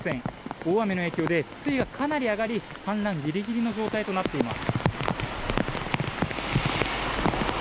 大雨の影響で水位はかなり上がり氾濫ギリギリの状態になっています。